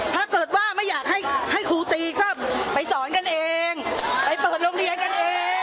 ถ้าเกิดว่าไม่อยากให้ครูตีก็ไปสอนกันเองไปเปิดโรงเรียนกันเอง